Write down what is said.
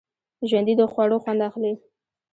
ژوندي د خوړو خوند اخلي